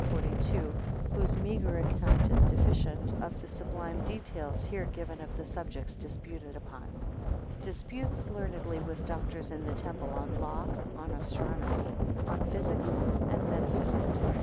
42, whose meagre account is deficient of the sublime details here given of the subjects disputed upon.] 1 Disputes learnedly with the doctors in the temple, 7 on law, 9 on astronomy, 12 on physics and metaphysics.